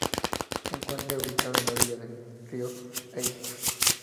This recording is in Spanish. Se encuentra ubicado a la orilla del río Elba.